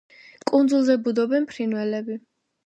კუნძულზე ბუდობენ ფრინველები.